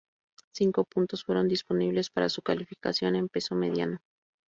Cinco puntos fueron disponibles para su calificación en peso mediano.